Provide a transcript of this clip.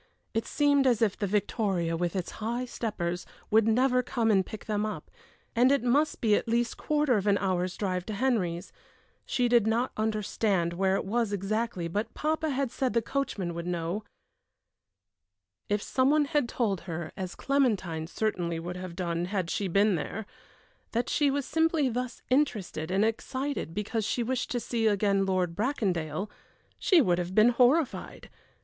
It seemed as if the victoria, with its high steppers, would never come and pick them up; and it must be at least quarter of an hour's drive to Henry's. She did not understand where it was exactly, but papa had said the coachman would know. If some one had told her, as Clementine certainly would have done had she been there, that she was simply thus interested and excited because she wished to see again Lord Bracondale, she would have been horrified.